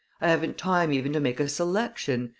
I haven't time even to make a selection.